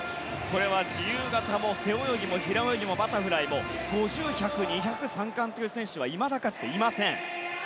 自由形も背泳ぎも平泳ぎもバタフライも５０、１００、２００で３冠という選手はいまだかつていません。